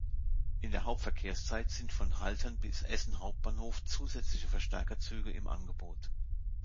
In der Hauptverkehrszeit sind von Haltern bis Essen Hauptbahnhof zusätzliche Verstärkerzüge im Angebot.